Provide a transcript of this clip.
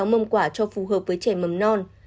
sáu mâm quả cho phù hợp với trẻ mầm non